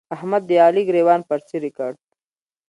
احمد د علي ګرېوان پر څيرې کړ.